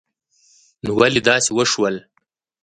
نو ولی داسی وشول